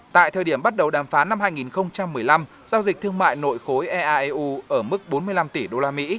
tại thời điểm bắt đầu đàm phán năm hai nghìn một mươi năm giao dịch thương mại nội khối ea eu ở mức bốn mươi năm tỷ usd